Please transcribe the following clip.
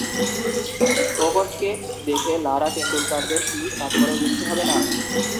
ওকসকে দেখে লারা টেন্ডুলকারদের কী তারপরেও হিংসে হবে না